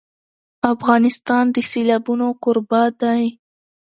افغانستان د سیلابونه کوربه دی.